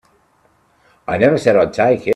I never said I'd take it.